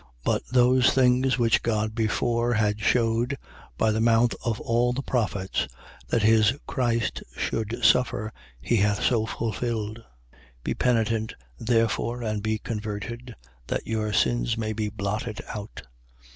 3:18. But those things which God before had shewed by the mouth of all the prophets, that his Christ should suffer, he hath so fulfilled. 3:19. Be penitent, therefore, and be converted, that your sins may be blotted out.